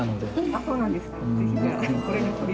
あそうなんですか。